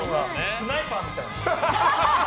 スパイパーみたいな。